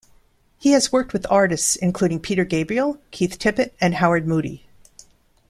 He has worked with artists including Peter Gabriel, Keith Tippett and Howard Moody.